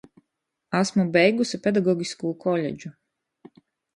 Asmu beiguse pedagogiskū koledžu.